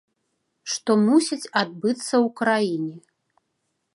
Што мусіць адбыцца ў краіне.